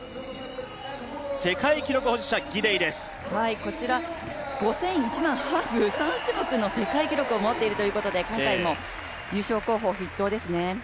世界記録保持者、ギデイです５０００、１００００、ハーフ３種目の世界記録を持っているということで今回も優勝候補筆頭ですね。